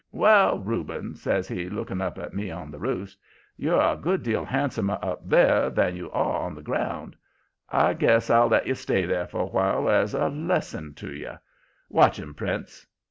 "'Well, Reuben,' says he, lookin' up at me on the roost, 'you're a good deal handsomer up there than you are on the ground. I guess I'll let you stay there for a while as a lesson to you. Watch him, Prince.'